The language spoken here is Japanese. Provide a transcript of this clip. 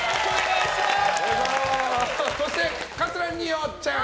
そして、桂二葉ちゃん。